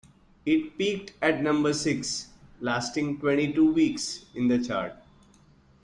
It peaked at number six, lasting twenty-two weeks in the chart.